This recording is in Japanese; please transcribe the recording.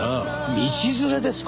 道連れですか？